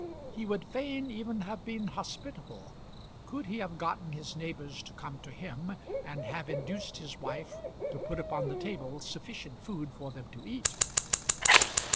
He would fain even have been hospitable, could he have gotten his neighbours to come to him and have induced his wife to put upon the table sufficient food for them to eat.